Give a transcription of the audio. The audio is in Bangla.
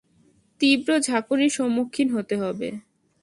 তীব্র ঝাঁকুনির সম্মুখীন হতে হবে!